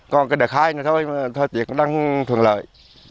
còn cái đợt hai này thôi thời tiết đang thường lợi